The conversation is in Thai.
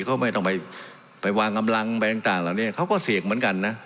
เขาก็ไม่ต้องไปวางอำลังอะไรต่างเขาก็เสี่ยงเหมือนกันนะ